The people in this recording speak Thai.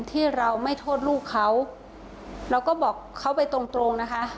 ที่เราไม่โทษลูกเขาเราก็บอกเขาไปตรงตรงนะคะ